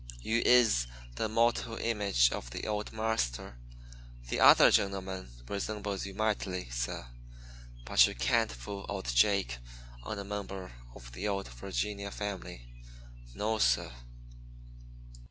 You is the mawtal image of old marster. The other gen'leman resembles you mightily, suh; but you can't fool old Jake on a member of the old Vi'ginia family. No suh."